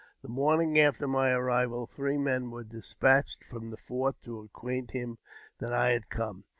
The morning after*' my arrival, three men were despatched from the fort to^acquaint him that I had come.